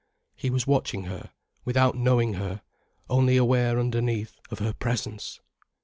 He was watching her, without knowing her, only aware underneath of her presence.